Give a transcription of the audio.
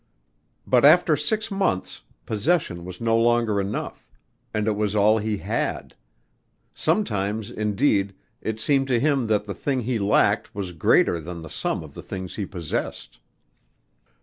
But after six months, possession was no longer enough and it was all he had. Sometimes indeed it seemed to him that the thing he lacked was greater than the sum of the things he possessed.